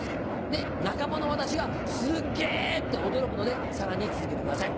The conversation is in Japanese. で仲間の私が「すっげぇ」って驚くのでさらに続けてください。